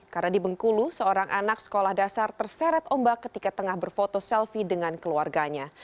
karena di bengkulu seorang anak sekolah dasar terseret ombak ketika tengah berfoto selfie dengan keluarganya